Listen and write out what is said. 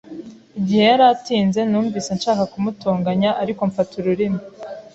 Igihe yari atinze, numvise nshaka kumutonganya, ariko mfata ururimi.